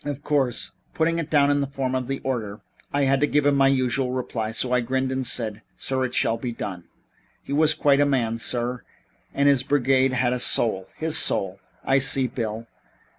Of course, putting it in the form of an order, I had to give him the usual reply, so I grinned and said: 'Sir, it shall be done.' He was quite a man, sir, and his brigade had a soul his soul " "I see, Bill.